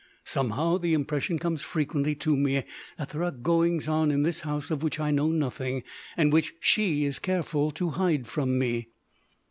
Somehow, the impression comes frequently to me that there are goings on in this house of which I know nothing, and which she is careful to hide from me.